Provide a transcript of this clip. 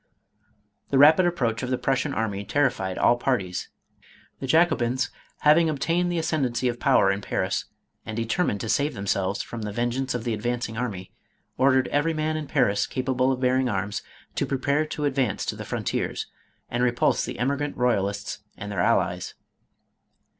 The rapid approach of the Prussian army terrified all parties. The Jacobins, having obtained the ascendency of power in Paris, and determined to save themselves from the vengeance of the advancing army, ordered every man in Paris capable of bearing arms, to prepare to advance to the frontiers and repulse the emigrant royalists and their allies.